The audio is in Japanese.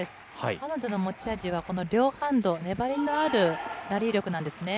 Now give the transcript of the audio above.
彼女の持ち味は、この両ハンド、粘りのあるラリー力なんですね。